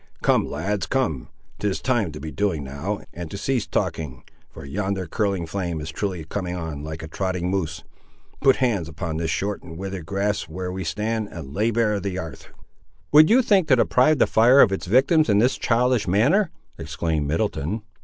Come, lads, come; 'tis time to be doing now, and to cease talking; for yonder curling flame is truly coming on like a trotting moose. Put hands upon this short and withered grass where we stand, and lay bare the 'arth. "Would you think to deprive the fire of its victims in this childish manner?" exclaimed Middleton.